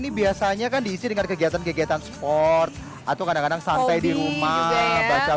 ini biasanya kan diisi dengan kegiatan kegiatan sport atau kadang kadang santai di rumah baca